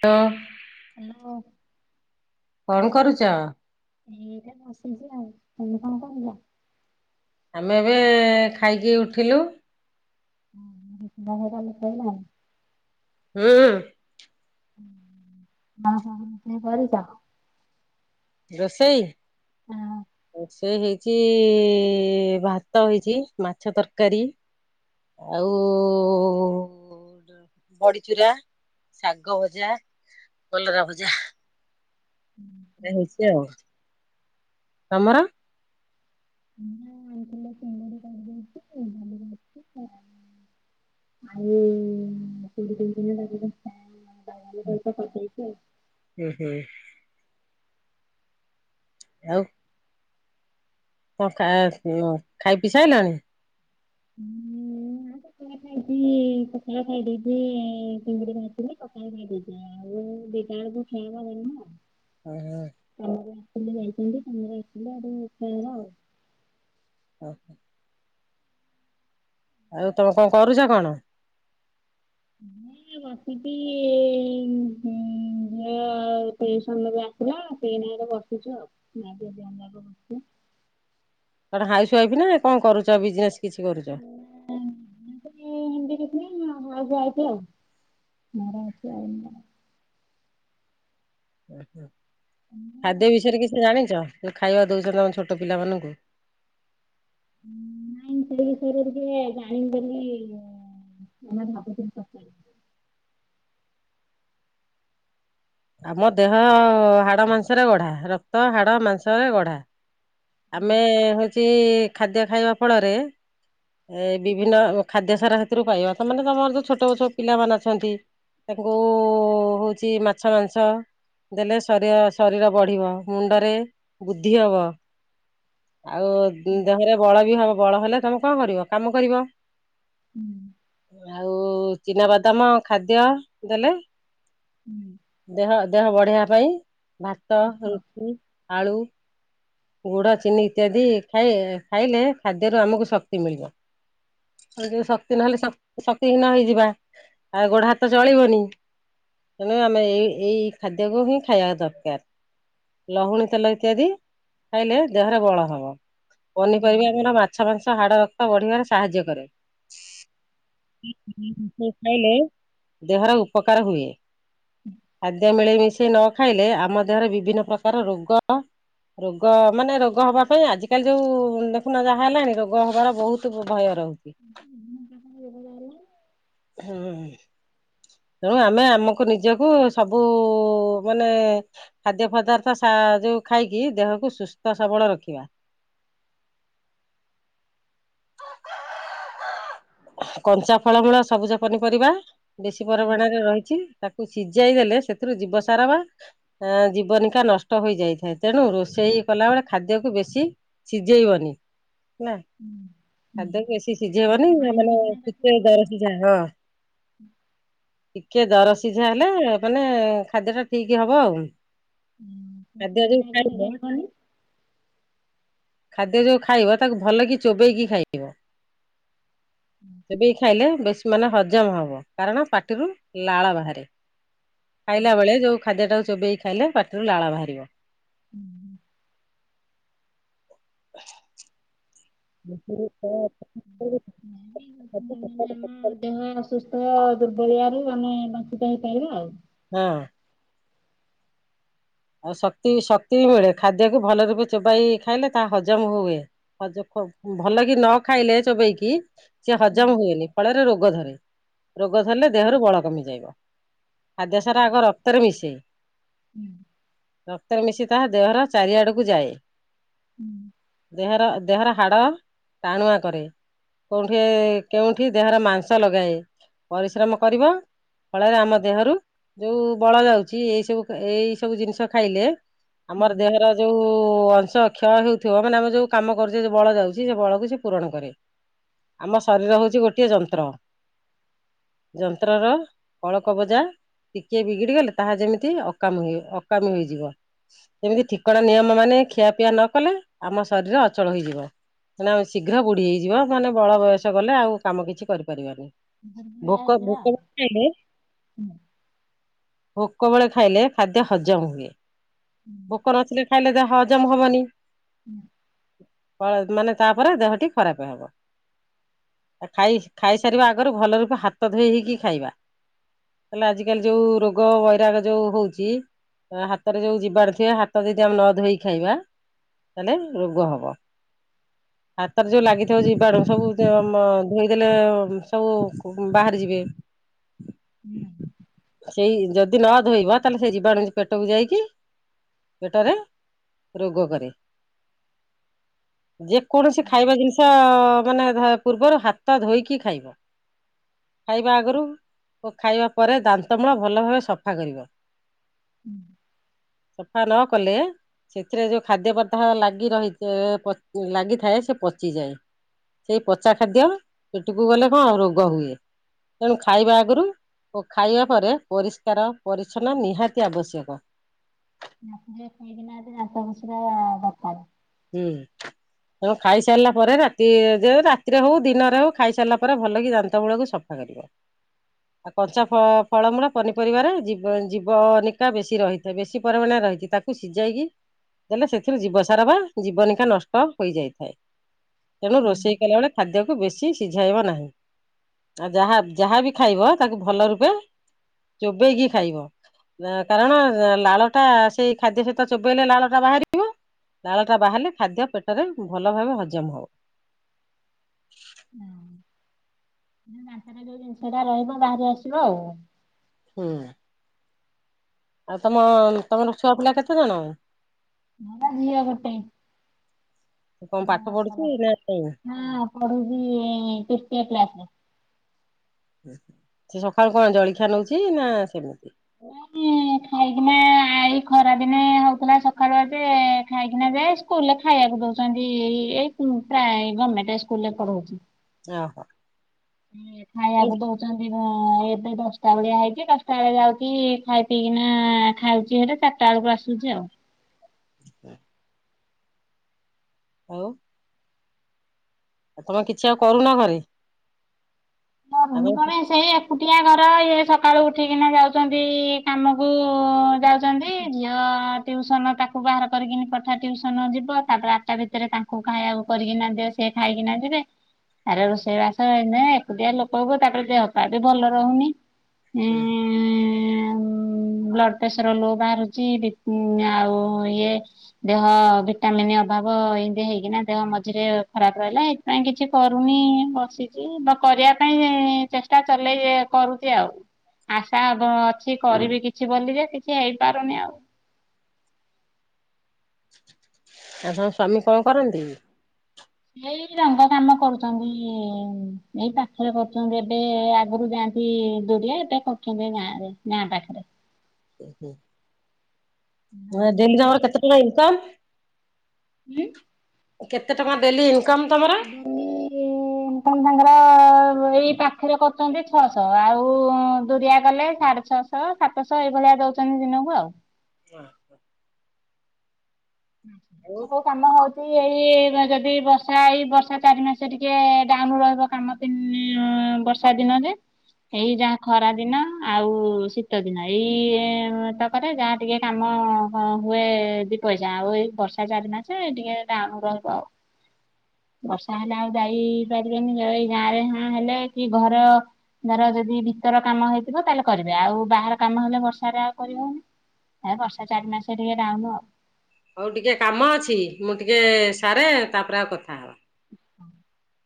ତ ହାଲୋ। କଣ କରୁଚ? ଏଇ ଏରା ବସିଚି ଆଉ ତମେ କଣ କରୁଚ? ଆମେ ଏବେ ଖାଇକି ଉଠିଲୁ। ଓହୋ ମାନେ [unintelligible] ଇଏ ପାଇଲା। ହୁଁ। [unintelligible] ରୋଷେଇ। ଏ ହେଇଚି ଭାତ ହେଇଚି ମାଛ ତରକାରୀ। ଆଉ। ବଡିଚୁରା ଶାଗ ଭଜା କଲରା ଭଜା। ହେଇଛି ଆଉ ତମର। [inaudible] ଡାଲି କରିଛି [unintelligible] ହୁଁ ହୁଁ। ଆଉ। କଣ ଖା ଉଁ ଖାଇ ପି ସାଇଲଣି। ହୁଁ। ଟିକେ ପଖାଳ ଖାଇ ଦେଇଛି ଚିଙ୍ଗୁଡି ଭାଜିଥିଲି ପଖାଳ ଖାଇ ଦେଇଥିଲି। ଆଉ ଦି ଟା ବେଳକୁ ଖାଇବା ଗରମ। ହୁଁ ହୁଁ। [unintelligible] ଉଁ ହୁଁ। ଆଉ ତମେ କଣ କରୁଛ କଣ। ମୁଁ ଏଇ ବାସିିକି ଏ ଉଁ ଝିଅ ଟ୍ୟୁସନ ରୁ ସେଇ ନାଗି ଏଇଠେ ବସିଛୁ ଆଉ ଆଉ ମା ଝିଅ ଦି ଜଣ ଯାକ ବସିଛୁ। କଣ ହାଉସ ୱାଇଫ ନା କଣ କରୁଛ ବିଜନେସ୍ କିଛି କରୁଛ। [unintelligible] ଉଁ ହୁଁ ଖାଦ୍ୟ ବିଷୟରେ କିଛି ଜାଣିଛ ଯୋଉ ଖାଇବା ଦଉଛନ୍ତି ଆମେ ଛୋଟ ପିଲାମାନଙ୍କୁ। ଉଁ ନାଇଁ ସେଇ ବିଷୟରେ ଟିକେ ଯାଣି ପାରୁନି ହୁଁ ତ ମୁଁ ଭାବୁଥିଲି ପଚାରିବି। ଆମ ଦେହ ହାଡ ମାଂସରେ ଗଢା ରକ୍ତ ହାଡ ମାଂସ ରେ ଗଢା। ଆମେ ହଉଛି ଖାଦ୍ୟ ଖାଇବା ଫଳରେ। ଏ ବିଭିନ୍ନ ଖାଦ୍ୟ ସାର ସେଥିରୁ ପାଇବା ତ ମାନେ ତମର ଯୋଉ ଛୋଟ ଯୋଉ ପିଲାମାନେ ଅଛନ୍ତି। ତାଙ୍କୁ ହଉଛି ମାଛ ମାଂସ। ଦେଲେ ଶରୀର ଶରୀର ବଢ଼ିବ ମୁଣ୍ଡରେ ବୁଦ୍ଧି ହବ। ଆଉ ହୁଁ, ଦେହରେ ବଳ ବି ହବ ବଳ ହେଲେ ତମେ କଣ କରିବ କାମ କରିବ। ହୁଁ। ଆଉ ଚିନା ବଦାମ ଖାଦ୍ୟ ଦେଲେ ହୁଁ, ଦେହ। ଦେହ ବଢ଼େଇିବା ପାଇଁ ଭାତ ସୁସ୍ଥ। ରୁଟି ଆଳୁ ଗୁଡ। ଚିନି ଇତ୍ୟାଦି ଖାଇ ଖାଇଲେ ଖାଦ୍ୟରୁ ଆମକୁ ଶକ୍ତି ମିଳିବ। ଏ ଯୋଉ ଶକ୍ତି ନହେଲେ ଶକ୍ତି ହୀନ ହେଇଯିବା ଆଉ ଗୋଡ ହାତ ଚଳିବନି। ତେଣୁ ଆମେ ଏଇ ଏଇ ଖାଦ୍ୟକୁ ହିଁ ଖାଇବା ଦରକାର। ଲହୁଣୀ ତେଲ ଇତ୍ୟାଦି ଖାଇଲେ ଦେହରେ ବଳ ହବ। ହୁଁ, ପନିପରିବା ଆମର ମାଛ ମାଂସ ହାଡ ରକ୍ତ ବଢିବାରେ ସାହାଯ୍ୟ କରେ। ସେ ଖାଇଲେ ଦେହର ଉପକାର ହୁଏ। ଖାଦ୍ୟ ମିଳି ମିଶେଇ ନ ଖାଇଲେ ଆମ ଦେହରେ ବିଭିନ୍ନ ପ୍ରକାର ରୋଗ। ରୋଗ ମାନେ ରୋଗ ହବା ପାଇଁ ଆଜିକାଲି ଯୋଉ ଦେଖୁନ ଯାହା ହେଲାଣି ରୋଗ ହବାର ବହୁତୁ। ଭୟ ରହୁଛି ବିଭିନ୍ନ ପ୍ରକାର ରୋଗ ବାହାରିଲାଣି। ହୁଁ। ତେଣୁ ଆମେ ଆମକୁ ନିଜକୁ ସବୁ ମାନେ। ଖାଦ୍ୟ ପଦାର୍ଥ ମା ଯୋଉ ଖାଇକି ଦେହକୁ ସୁସ୍ଥ ସବଳ ରଖିବା। କଞ୍ଚା ଫଳମୂଳ ସବୁଜ ପନିପରିବା ବେଶୀ ହୁଁ, ପରିମାଣରେ ରହିଛି। ତାକୁ ସିଝାଇ ଦେଲେ ସେଥିରୁ ଜୀବସାର ବା ତା ଜୀବନିକା ନଷ୍ଟ ହୋଇଯାଇଥାଏ ତେଣୁ ରୋଷେଇ କଲାବେଳେ ଖାଦ୍ୟକୁ ବେଶୀ ସିଝେଇବନି ନା ହୁଁ, ହୁଁ। ଖାଦ୍ୟକୁ ବେଶୀ ଅଳ୍ପ ସିଝେଇବନି ପାଣି ମାନେ ଦେଇକିନା ତାକୁ ଟିକେ ଇଏ କରିବ ଦର ଆଉ। ସିଝା ତା ହଁ ଟିକେ ଦର ସିଝା ହେଲେ ମାନେ ଖାଦ୍ୟ ଟା ଠିକ ହବ ଆଉ। ହୁଁ, ସେଇ ଖାଦ ଯୋଉ ପାଣିଟାକୁ ଖାଇିବ ନିଗାଡିବନି ଖାଦ୍ୟ ଯୋଉ ଖାଇବ ତାକୁ ଭଲ କି ଚୋବେଇକି ଖାଇବ। ଚୋବେଇକି ଖାଇଲେ ବେଶୀ ମାନେ ହଜମ ହବ କାରଣ ପାଟିରୁ ଲାଳ ବାହାରେ। ଖାଇଲା ବେଳେ ଯୋଉ ଖାଦ୍ୟ ଟାକୁ ଚୋବେଇକି ଖାଇଲେ ପାଟିରୁ ଲାଳ ବାହାରିବ। [unintelligible] [unintelligible] ହଁ ଆମ ଦେହ ଅସୁସ୍ଥ ଦୁର୍ବଳିଆ ରୁ ଆମେ ବଞ୍ଚିତ ହେଇପାରିବା ଆଉ। ହଁ। ଆଉ ଶକ୍ତି ଶକ୍ତି ବି ମିଳେ, ଖାଦ୍ୟକୁ ଭଲ ରୂପେ ଚୋବାଇ ଖାଇଲେ ତାହା ହଜମ ହୁଏ। ହଜ ଭଲ କି ନ ଖାଇଲେ ଚୋବେଇକି ସିଏ ହଜମ ହୁଏନି ଫଳରେ ରୋଗ ଧରେ ରୋଗ ଧରିଲେ ଦେହରୁ ବଳ କମିଯାଇବ। ଖାଦ୍ୟ ସାର ଆଗ ରକ୍ତରେ ମିଶେ। ହୁଁ। ରକ୍ତରେ ମିଶି ତାହା ଦେହର ଚାରିଆଡ଼କୁ ଯାଏ। ଦେହର ଦେହର ହାଡ଼ ଟାଣୁଆ କରେ। କଉଁଠି କେଉଁଠି ଦେହର ମାଂସ ଲଗାଏ ପରିଶ୍ରମ କରିବ। ଫଳରେ ଆମ ଦେହରୁ ଯୋଉ ବଳ ଯାଉଛି ଏଇ ସବୁ ଏଇ ସବୁ ଜିନିଷ ଶ ଖାଇଲେ ଆମର ଦେହର ଯୋଉ ଅଂଶ କ୍ଷୟ ହେଉଥିବ ମାନେ ଆମେ ଯୋଉ କାମ କରୁଛେ ଯୋଉ ବଳ ଯାଉଛି ସେ ବଳକୁ ସେ ପୂରଣ କରେ। ଆମ ଶରୀର ହଉଛି ଗୋଟିଏ ଯନ୍ତ୍ର। ଯନ୍ତ୍ରର କଳକବଜା ଟିକିଏ ବିଗିଡି ଗଲେ ତାହା ଯେମିତି ଅକାମି ଅକାମି ହୋଇଯିବ। ଏମିତି ଠିକଣା ନିୟମ ମାନେ ଖିଆପିଆ ନ କଲେ ଆମ ଶରୀର ଅଚଳ ହୋଇଯିବ। ହେନା ଆମେ ଶୀଘ୍ର ବୁଢି ହେଇଯିବ ମାନେ ବଳ ବୟସ ଗଲେ ଆଉ କାମ କିଛି କରିପାରିବାନି। ଦୁର୍ବଳିଆ ଭୋକ ହେଇଯିବା ଆଉ। ଭୋକ ନଖାଇଲେ ଭୋକ ବେଳେ ଖାଇଲେ ଖାଦ୍ୟ ହଜମ ହୁଏ, ଭୋକ ନଥିଲେ ଖାଇଲେ ଦେ ହ ଜମ ହବନି। ହୁଁ। ବ ମାନେ ତାପରେ ଦେହଟି ଖରାପ ହବ। ଖାଇ ଖାଇସାରିବା ଆଗରୁ ଭଲ ରୂପେ ହାତ ଧୋଇ ହେଇକି ଖାଇବା। ତାହେଲେ ଆଜି କାଲି ଯୋଉ ରୋଗ ବୈରାଗ ଯୋଉ ହଉଛି। ହାତରେ ଯୋଉ ଯିବାଣୁ ଥିବେ ହାତ ଯଦି ଆମେ ନ ଧୋଇ ଖାଇବା ତାହେଲେ ରୋଗ ହବ। ହାତରେ ଯୋଉ ଲାଗିଥିବ ଜୀବାଣୁ ସବୁ ଦ ମ ଧୋଇଦେଲେ ସବୁ କୁ ବାହାରି ଯିବେ। ହୁଁ। ସେଇ ଯଦି ନ ଧୋଇବା ତାହେଲେ ସେ ଯିବାଣୁ ପେଟକୁ ଯାଇକି ପେଟରେ ରୋଗ କରେ, ଯେ କୌଣସି ଖାଇବା ଜିନିଷ ମାନେ ଧର ପୂର୍ବରୁ ହାତ ଧୋଇକି ଖାଇବ। ଖାଇବା ଆଗରୁ। ଓ ଖାଇବା ପରେ ଦାନ୍ତମୂଳ ଭଲ ଭାବେ ସଫା କରିବ। ହୁଁ। ସଫା ନ କଲେ ସେଥିରେ ଯୋଉ ଖାଦ୍ୟ ପଦାର୍ଥ ଲାଗି ରହି ପ ଲାଗିଥାଏ ସେ ପଚିଯାଏ। ସେଇ ପଚା ଖାଦ୍ୟ ପେଟକୁ ଗଲେ କଣ ରୋଗ ହୁଏ। ତେଣୁ ଖାଇବା ଆଗରୁ ଓ ଖାଇବା ପରେ ପରିଷ୍କାର ପରିଚ୍ଛନ୍ନ ନିହାତି ଆବଶ୍ୟକ। [unintelligible] ଖାଇକିନା ଦାନ୍ତ ଘଷିବା ଦରକାର। ହୁଁ। ତେଣୁ ଖାଇସାରିଲା ପରେ ରାତି ଯେ ରାତିରେ ହଉ ଦିନରେ ହଉ ଖାଇସାରିଲା ପରେ ଭଲ କିି ଦାନ୍ତମୂଳ କୁ ସଫା କରିବ। କଞ୍ଚା ଫ ଫଳମୂଳ ପନିପରିବାରେ ଜୀବ ଯିବନିକା ବେଶୀ ରହିଥାଏ ବେଶୀ ପରିମାଣରେ ରହିଛି ତା କୁ ସିଝାଇକି ଦେଲେ ସେଥିରୁ ଜୀବସାର ବା ଜୀବନିକା ନଷ୍ଟ ହୋଇଯାଇଥାଏ। ତେଣୁ ରୋଷେଇ କଲାବେଳେ ଖାଦ୍ୟକୁ ବେଶି ସିଝାଇବ ନାହିଁ। ଆଉ ଯାହା ଯାହାବି ଖାଇବ ତାକୁ ଭଲ ରୂପେ ଚୋବେଇକି ଖାଇବ। କାରଣ ଲାଳଟା ସେଇ ଖାଦ୍ୟ ସହିତ ଚୋବେଇଲେ ଲାଳଟା ବାହାରିବ ଟା ବାହାରିଲେ ଖାଦ୍ୟ ପେଟରେ ଭଲ ଭାବେ ହଜମ ହବ। ହୁଁ ସେ ଦାନ୍ତଟା ଯୋଉ ଜିନିଷ ଟା ରହିବ ବାହାରି ଆସିବ ଆଉ। ହୁଁ। ଆଉ ତମ ତମର ଛୁଆ ପିଲା କେତେ ଜଣ? ଆମର ଝିଅ ଗୋଟେ। କଣ ନଅ ପାଠ ପଢୁଛି ବର୍ଷର ନା ନାଇଁ? ହଁ ପଢୁଛି ତୃତୀୟ କ୍ଲାସରେ। ସେ ସକାଳୁ କଣ ଜଳଖିଆ ନଉଛି ନା ସେମିତି? ନାଇଁ ଖାଇକି ନା ଁ ଦିନେ ହଉଥିଲା ସକାଳୁଆ ଜେ ଖାଇକିନା ଯାଏ ସ୍କୁଲରେ ଖାଇବାକୁ ଦଉଛନ୍ତି ଏଇ ହୁଁପ୍ରାୟେ ଗଭର୍ଣ୍ଣମେଣ୍ଟ ସ୍କୁଲରେ ପଢଉଛି। ଓହୋ। ଏ ଖାଇବାକୁ ଦଉଛନ୍ତି ଭଁ ଏବେ ଦଶଟା ବେଳିଆ ହେଇଛି ଦଶଟା ବେଳେ ଯାଉଛି ଖାଇ ପିଇକିନା ଖାଉଛି ହେଠେ ଚାରିଟା ବେଳକୁ ଆସୁଛି ଆଉ। ହଁ ଆଉ। ଆଉ ତମେ କିଛି ଆଉ କରୁନା ଘରେ? ନା ଭନି ଆଉ କଣ [inaudible] ସେଇଆ ଏକୁଟିଆ ଘର ଇଏ ସକାଳୁ ଉଠିକିନା ଯାଉଛନ୍ତି କାମକୁ ଯାଉ ଚନ୍ତି ଝିଅ ଅ ଟ୍ୟୁସନ ତାକୁ ବାହାର କରିକିନି ପଠା ଟ୍ୟୁସନ ଯିବ ତାପରେ ଆଠଟା ଭିତରେ ତାଙ୍କୁ ଖାଇବାକୁ କରିକିନା ଦେ ସେ ଖାଇକିନା ଯିବେ ତାରେ ରୋଷେଇ ବାସ ଏଇନେ ଏକୁଟିଆ ଲୋକ। କହୁ କହୁ ତାପରେ ଦେହପା ବି ଭଲ ରହୁନି ଇଁ ହୁଁ ବ୍ଲଡ ପ୍ରେସର ଲୋ ବାହାରୁଛି ବିପି ଆଉ ଇଏ ଦେହ ଭିଟାମିନ୍ ଅଭାବ ଏମିତି ହେଇକିନା ଦେହ ମଝିରେ ଖରାପ ରହିଲା। କାଇଁ କିଛି କରୁନି ବସିଛି ବାପ ଘରିଆ କ ଚେଷ୍ଟା ଚଲେଇ କରୁଛି ଆଉ। ଆଶା ଅଛି କରିବି କିଛି ବୋଲି ଯେ କିଛି ହେଇପାରୁନି ଆଉ। ଆ ତମ ସ୍ଵାମୀ କଣ କରନ୍ତି? ଏଇ ରଙ୍ଗ କାମ କରୁଚନ୍ତି, ଏଇ ପାଖରେ କରୁଛନ୍ତି ଏବେ, ଆଗରୁ ଯାଆ [unintelligible] ଦୁରିଆ, ଏବେ କରଚନ୍ତି ଗାଁ ରେ, ଗାଁ ପାଖରେ। ଓ ହୁଁ। ଡେଲି ତାଙ୍କର କରୁଛନ୍ତି। କେତେ ଟଙ୍କା ଇନକମ୍? ହୁଁ। କେତେ ଟଙ୍କା ଡେଲି ଇନକମ ତମର? ଡ଼େଲିି ଇନକମ ତାଙ୍କର ଏଇ ପାଖରେ କରୁଚନ୍ତି ଛଅଶହ, ଆଉ ଦୁରିଆ କଲେ ସାଢେ ଛଅଶହ। ଛଅ ସାତଶହ, ଏଇଭଳିଆ ଦଉଛନ୍ତି ଦିନକୁ ଆଉ। [unintelligible] ହୁଁ। ବହୁ ଯଉ କାମ ହଉଚି, ଏଇ ଯଦି ବର୍ଷା, ଏଇ ବର୍ଷା ଚାରି ମାସେ ଟିକେ ଡାଉନ ରହିବ କାମ। [unintelligible] ବର୍ଷା ଦିନରେ, ଏଇ ଯାହା ଖରା ଦିନ ଆଉ ଶୀତ ଦିନ, ଏଇ ତକରେ ଯାହା ଟିକେ କାମ ହୁଏ ଦି ପଇ ଯାଉ ଏଇ ବର୍ଷା ଚାରି ମାସେ, ଟିକେ ଡାଉନୁ ରହିବ ଆଉ। ବର୍ଷା ହେଲେ ଆଉ ଯାଇ ପାରିବେନି, ଏଇ ଗାଁ ରେ ହଁ ହେଲେ, କି ଘର ଧର ଯଦି ଭିତର କାମ ହେଇଥିବ, ତାହେଲେ କରିବେ, ଆଉ ବାହାର କାମ ହେଲେ ବର୍ଷା ରେ ଆଉ କରି ହଉନି। ଆ, ବର୍ଷା ଚାରି ମାସେ ଟିକେ ଡାଉନୁ ଆଉ। ହଉ ଟିକେ କାମ ଅଛି, ମୁଁ ଟିକେ ସାରେ, ତାପରେ ଆଉ କଥା ହବା। [unintelligible]